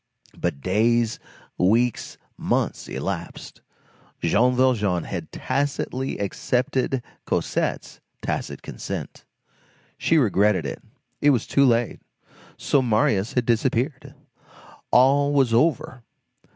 But days, weeks, months, elapsed. Jean Valjean had tacitly accepted Cosette's tacit consent. She regretted it. It was too late. So Marius had disappeared; all was over.